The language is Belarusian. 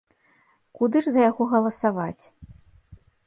Куды ж за яго галасаваць?